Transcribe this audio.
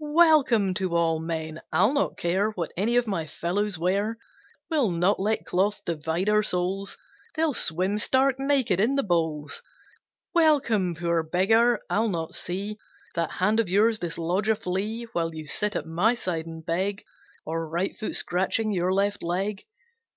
Welcome to all men: I'll not care What any of my fellows wear; We'll not let cloth divide our souls, They'll swim stark naked in the bowls. Welcome, poor beggar: I'll not see That hand of yours dislodge a flea, While you sit at my side and beg, Or right foot scratching your left leg.